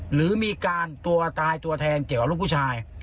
หรือมีการตัวตายตัวแทนเกี่ยวกับลูกผู้ชาย